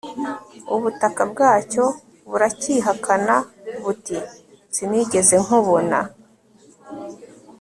ubutaka bwacyo buracyihakana buti 'sinigeze nkubona